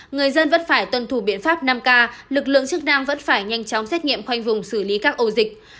người dân vẫn phải tuân thủ biện pháp năm k lực lượng chức năng vẫn phải nhanh chóng xét nghiệm khoanh vùng xử lý các ổ dịch